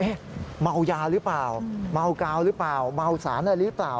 เมายาหรือเปล่าเมากาวหรือเปล่าเมาสารอะไรหรือเปล่า